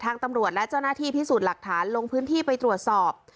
ตำรวจและเจ้าหน้าที่พิสูจน์หลักฐานลงพื้นที่ไปตรวจสอบ